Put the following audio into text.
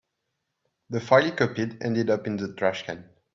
The file he copied ended up in the trash can.